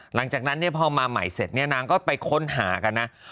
หลังจากนั้นพอมาใหม่เสร็จนานก็ไปค้นหากันนะ